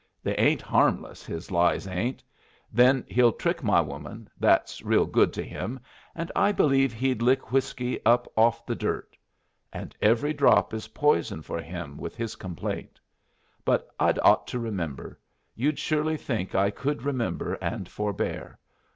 They ain't harmless, his lies ain't. Then he'll trick my woman, that's real good to him; and I believe he'd lick whiskey up off the dirt. And every drop is poison for him with his complaint. But I'd ought to remember. You'd surely think I could remember, and forbear.